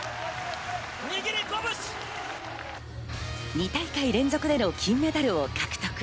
２大会連続での金メダルを獲得。